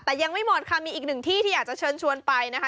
แต่ยังไม่หมดค่ะมีอีกหนึ่งที่ที่อยากจะเชิญชวนไปนะคะ